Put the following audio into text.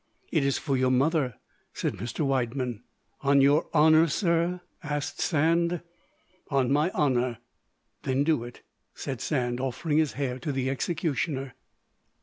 "It is for your mother," said Mr. Widemann. "On your honour, sir?" asked Sand. "On my honour." "Then do it," said Sand, offering his hair to the executioner.